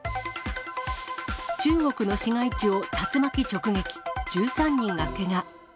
中国の市街地を竜巻直撃、１３人がけが。